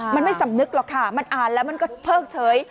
มันไม่สำนึกหรอกค่ะมันอ่านแล้วมันก็เพิกเฉย